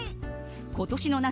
今年の夏